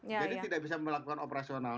jadi tidak bisa melakukan operasional